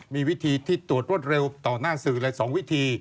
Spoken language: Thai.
มีวิธีที่ตรวจรวดเร็วต่อหน้าสื่อและ๒วิธี